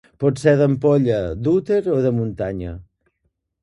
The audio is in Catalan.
Pot ser d'ampolla, d'úter o de muntanya.